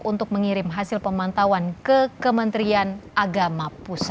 untuk mengirim hasil pemantauan ke kementerian agama papua barat daya